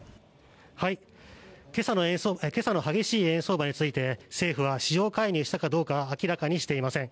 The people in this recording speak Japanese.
今朝の激しい円相場について政府は市場介入したかどうか明らかにしていません。